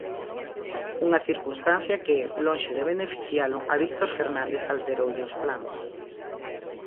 Unha circunstancia que, lonxe de beneficialo, a Víctor Fernández alteroulle os plans.